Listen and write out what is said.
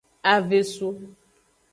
Avesu.